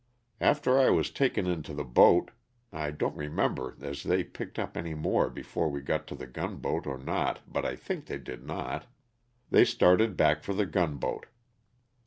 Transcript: After I was taken into the boat (I don't remember as they picked up any more before we got to the gunboat or not, but think they did not), they started back for the gunboat.